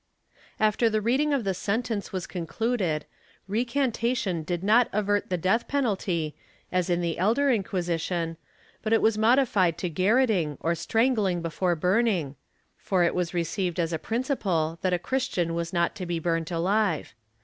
^ After the reading of the sentence was concluded, recantation did not avert the death penalty, as in the elder Inquisition, but it was modified to garrotting or strangling before burning, for it was received as a principle that a Christian was not to be burnt alive.